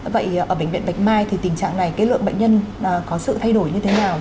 vậy ở bệnh viện bạch mai thì tình trạng này cái lượng bệnh nhân có sự thay đổi như thế nào